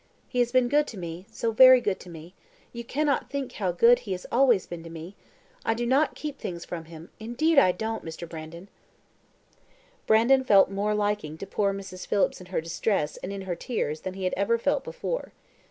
He has been good to me so very good to me; you cannot think how good he has always been to me; I do not keep things from him indeed I don't, Mr. Brandon." Brandon felt more liking to poor Mrs. Phillips in her distress and in her tears than he had ever felt before.